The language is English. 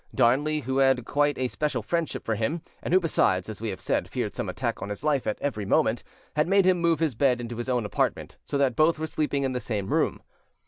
Darnley, who had quite a special friendship for him, and who besides, as we have said, feared some attack on his life at every moment, had made him move his bed into his own apartment, so that both were sleeping in the same room.